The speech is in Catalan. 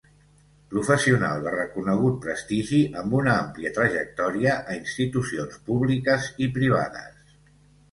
Professional de reconegut prestigi amb una àmplia trajectòria a institucions públiques i privades.